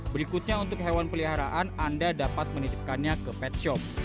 berikutnya untuk hewan peliharaan anda dapat menitipkannya ke pet shop